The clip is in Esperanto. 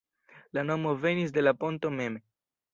La nomo venis de la ponto mem.